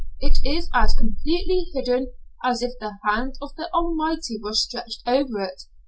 It is as completely hidden as if the hand of the Almighty were stretched over it.